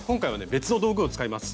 別の道具を使います。